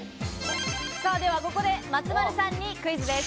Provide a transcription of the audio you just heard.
ではここで松丸さんにクイズです。